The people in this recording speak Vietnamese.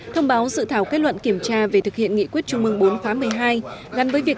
thông báo sự thảo kết luận kiểm tra về thực hiện nghị quyết trung mương bốn khóa một mươi hai gắn với việc